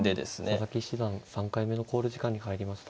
佐々木七段３回目の考慮時間に入りました。